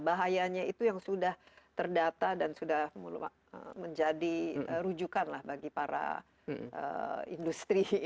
bahayanya itu yang sudah terdata dan sudah menjadi rujukan lah bagi para industri